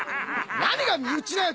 何が身内だよ